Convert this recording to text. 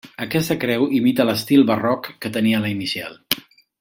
Aquesta creu imita l'estil barroc que tenia la inicial.